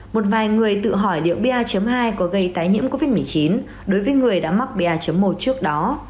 một vài người tự hỏi liệu ba hai có gây tái nhiễm covid một mươi chín đối với người đã mắc ba một trước đó